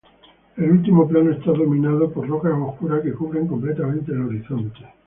El último plano está dominado por rocas oscuras que cubren completamente el horizonte.